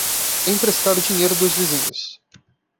Emprestar dinheiro dos vizinhos